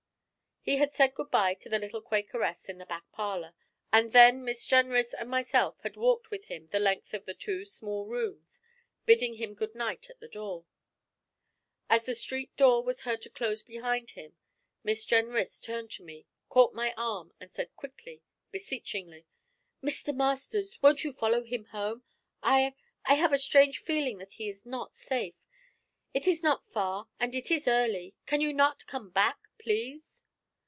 He had said good bye to the little Quakeress in the back parlour, and then Miss Jenrys and myself had walked with him the length of the two small rooms, bidding him goodnight at the door. As the street door was heard to close behind him, Miss Jenrys turned to me, caught my arm, and said quickly, beseechingly: 'Mr. Masters, won't you follow him home? I I have a strange feeling that he is not safe. It is not far, and it is early. Can you not come back please?